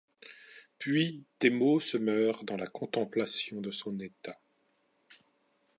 Puis tes mots se meurent dans la contemplation de son état.